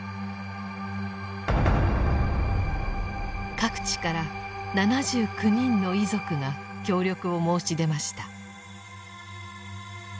各地から７９人の遺族が協力を申し出ました。